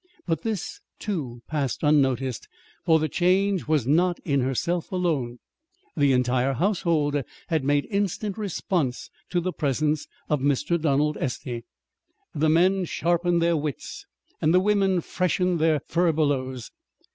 But this, too, passed unnoticed, for the change was not in herself alone. The entire household had made instant response to the presence of Mr. Donald Estey. The men sharpened their wits, and the women freshened their furbelows.